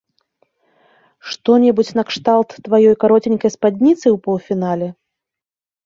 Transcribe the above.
Што-небудзь накшталт тваёй кароценькай спадніцы ў паўфінале?